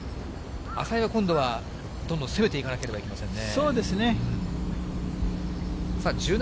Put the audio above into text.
淺井は今度は、どんどん攻めていかなければいけませんね。